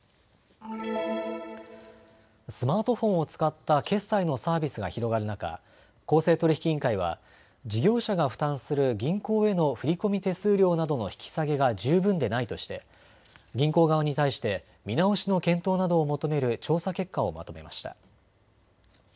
スマートフォンを使った決済のサービスが広がる中、公正取引委員会は事業者が負担する銀行への振込手数料などの引き下げが十分でないとして銀行側に対して見直しの検討などを求める調査結果をまとめました。